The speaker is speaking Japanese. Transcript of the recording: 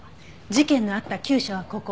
事件のあった厩舎はここ。